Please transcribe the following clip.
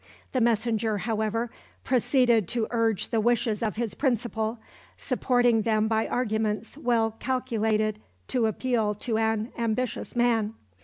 The messenger, however, proceeded to urge the wishes of his principal, supporting them by arguments well calculated to appeal to an ambitious man.